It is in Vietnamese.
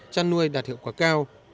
giả thiệu quả cao